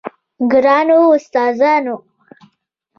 ګرانو دوستانو!